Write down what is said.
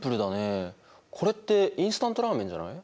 これってインスタントラーメンじゃない？